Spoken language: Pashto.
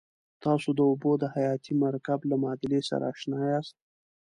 تاسې د اوبو د حیاتي مرکب له معادلې سره آشنا یاست.